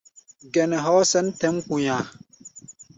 Gɛnɛ hɔɔ́ sɛ̌n tɛ̌ʼm kpu̧nya̧a̧.